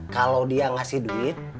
kalau dia ngasih duit